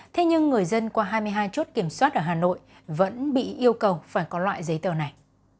thế nhưng người dân qua hai mươi hai chốt kiểm soát ở hà nội vẫn bị yêu cầu phải có loại giấy tờ này